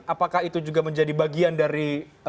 apakah itu juga menjadi bagian dari